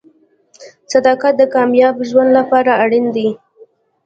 • صداقت د کامیاب ژوند لپاره اړین دی.